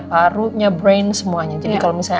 parunya brain semuanya jadi kalau misalnya